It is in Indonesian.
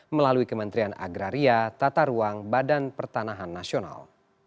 melalui kementerian agraria tata ruang badan pertanahan nasional